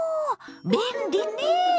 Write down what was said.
便利ねぇ！